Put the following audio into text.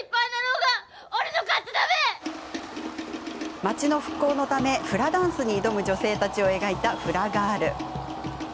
町の復興のためフラダンスに挑む女性たちを描いた「フラガール」。